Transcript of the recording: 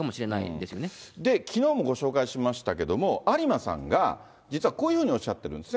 で、きのうもご紹介しましたけれども、有馬さんが、実はこういうふうにおっしゃってるんですね。